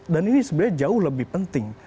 dan ini sebenarnya jauh lebih penting